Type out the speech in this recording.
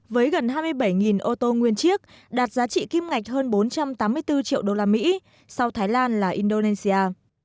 với gần hai mươi bảy ô tô nguyên chiếc đạt giá trị kim ngạch hơn bốn trăm tám mươi bốn triệu usd sau thái lan là indonesia